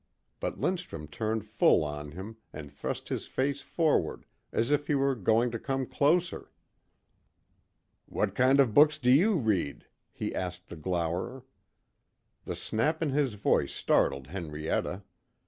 But Lindstrum turned full on him and thrust his face forward as if he were going to come closer. "What kind of books do you read?" he asked the glowerer. The snap in his voice startled Henrietta.